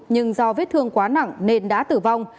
nhưng do vết thương quá nặng nên đã tử vong